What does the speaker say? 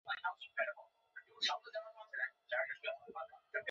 在织田与德川的清洲同盟中作出很大的作用。